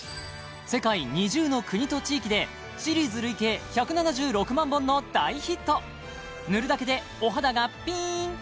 世界２０の国と地域でシリーズ累計１７６万本の大ヒット塗るだけでお肌がピーン！